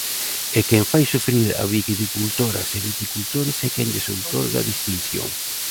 É quen fai sufrir a viticultoras e viticultores, e quen lles outorga distinción.